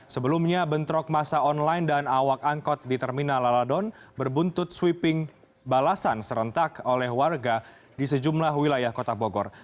sebelumnya bentrok masa online dan awak angkot di terminal laladon berbuntut sweeping balasan serentak oleh warga di sejumlah wilayah kota bogor